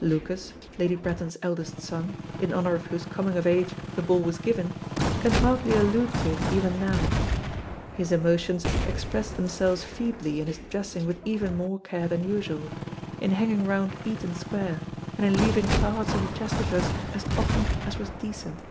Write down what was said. Lucas, Lady Bretton's eldest son, in honour of whose coming of age the ball was given, can hardly allude to it even now. His emotions expressed themselves feebly in his dressing with even more care than usual, in hanging round Eaton Square, and in leaving cards on the Chesterfords as often as was decent.